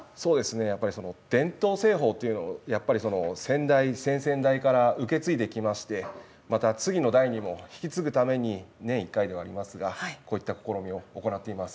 やっぱり伝統製法というのを、やっぱり、先代、先々代から、受け継いできまして、また次の代にも引き継ぐために年１回ではありますが、こういった試みを行っています。